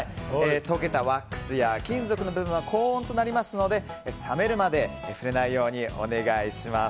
溶けたワックスや金属の部分は高温となりますので冷めるまで触れないようにお願いします。